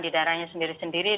di daerahnya sendiri sendiri